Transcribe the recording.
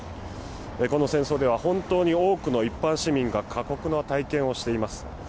この戦争では本当に多くの一般市民が過酷な経験をしています。